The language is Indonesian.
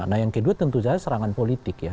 nah yang kedua tentu saja serangan politik ya